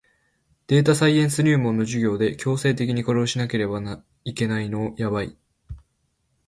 データサイエンス入門の授業で強制的にこれをしなければいけないのやばい